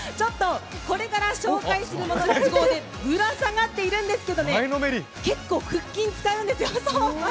これから紹介するものの都合で、ぶら下がっているんですけどね、結構腹筋使うんですよ。